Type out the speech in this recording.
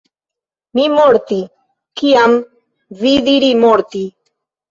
Mi morti, kiam vi diri morti.